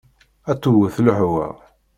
Ad tewwet lehwa.